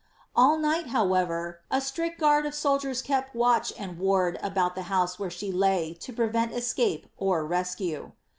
^'* All night, however, a strict guard of soldiers kept watch and ward iboDC the house where she lay, to prevent escape or rescue.